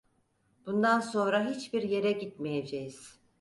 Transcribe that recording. Bundan sonra hiçbir yere gitmeyeceğiz…